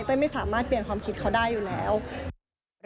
ไม่สามารถเปลี่ยนความคิดเขาได้อยู่แล้ว